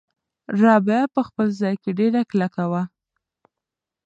رابعه په خپل ځای کې ډېره کلکه وه.